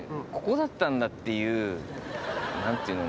ていう何ていうの？